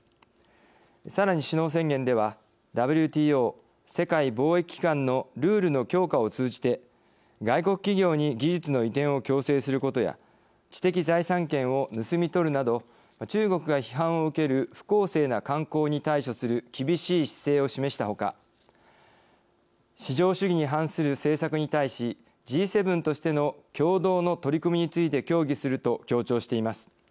さらに首脳宣言ではＷＴＯ＝世界貿易機関のルールの強化を通じて外国企業に技術の移転を強制することや知的財産権を盗み取るなど中国が批判を受ける不公正な慣行に対処する厳しい姿勢を示したほか市場主義に反する政策に対しＧ７としての共同の取り組みについて協議すると強調しています。